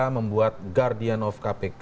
membuat guardian of kpk